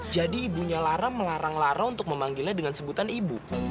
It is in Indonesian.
jadi ibunya lara melarang lara untuk memanggilnya dengan sebutan ibu